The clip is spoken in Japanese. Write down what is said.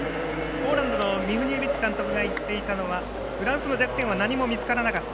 ポーランドのミフニエビッチ監督が言っていたのはフランスの弱点は何も見つからなかった。